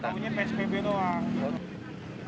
tidak punya pensi pebe doang